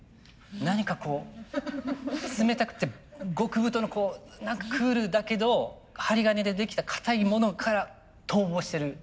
何かこう冷たくて極太の何かクールだけど針金でできたかたいものから逃亡してる。